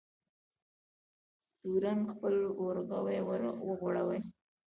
تورن خپل ورغوی وغوړوی.